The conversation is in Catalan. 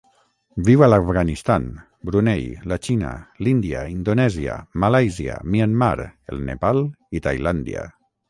Viu a l'Afganistan, Brunei, la Xina, l'Índia, Indonèsia, Malàisia, Myanmar, el Nepal i Tailàndia.